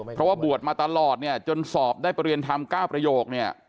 เพราะว่าบวชมาตลอดเนี่ยจนสอบได้ประเรียนธรรม๙ประโยคเนี่ย